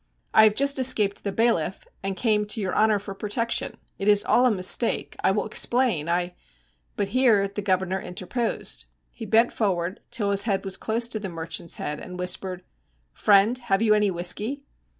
I have just escaped the bailiff, and came to your honour for protection. It is all a mistake. I will explain. I ' But here the governor interposed. He bent forward till his head was close to the merchant's head, and whispered: 'Friend, have you any whisky?'